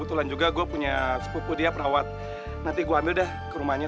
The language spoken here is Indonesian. tunggu dulu visual dia numpung uw guang